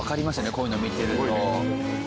こういうのを見てると。